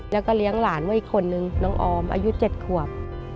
แล้วก็เลี้ยงหลานไว้อีกคนนึงน้องออมอายุ๗ขวบ